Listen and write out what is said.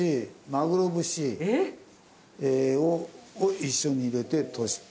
マグロ節を一緒に入れて。